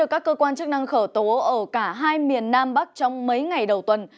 các cơ quan chức năng khởi tố ở cả hai miền nam bắc trong mấy ngày đầu tuần